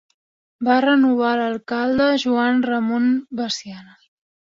Va renovar l'alcalde Joan Ramon Veciana.